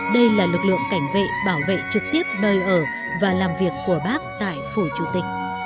đây là lực lượng cảnh vệ bảo vệ trực tiếp nơi ở và làm việc của bác tại phủ chủ tịch